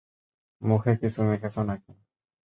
মুখে কিছু মেখেছ নাকি?